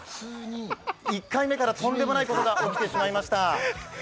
１回目からとんでもないことが起きてしまいました。